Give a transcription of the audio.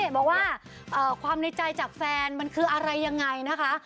บอกว่าความในใจจากแฟนมันคืออะไรยังไงนะคะ